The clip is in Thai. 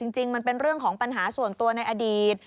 จริงมันเป็นเรื่องของปัญหาส่วนตัวในอดีต